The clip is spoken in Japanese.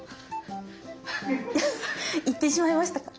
行ってしまいましたか？